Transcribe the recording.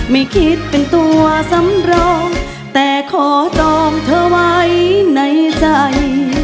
ไม่คิดเป็นตัวสำรองแต่ขอจองเธอไว้ในใจ